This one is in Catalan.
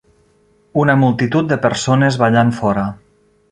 Una multitud de persones ballant fora.